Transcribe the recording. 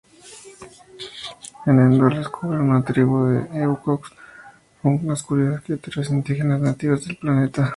En Endor, descubren una tribu de Ewoks, unas curiosas criaturas indígenas nativas del planeta.